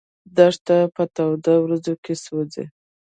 دښته په تودو ورځو کې سوځي.